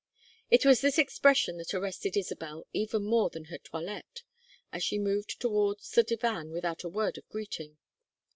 It was this expression that arrested Isabel even more than the toilette, as she moved towards the divan without a word of greeting.